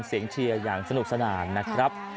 เชียร์อย่างสนุกสนานนะครับ